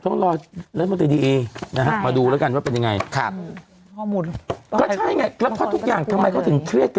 ต้องรอรัฐมนตร์เดเนี่ย